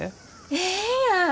ええやん！